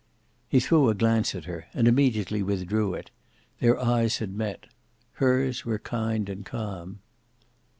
He threw a glance at her: and immediately withdrew it. Their eyes had met: hers were kind and calm.